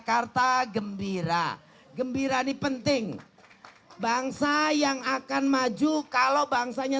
oh pemenangnya adalah dua duanya